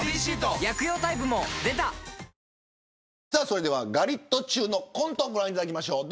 それでは、ガリットチュウのコントご覧いただきましょう。